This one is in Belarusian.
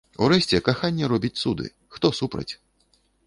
Урэшце, каханне робіць цуды, хто супраць?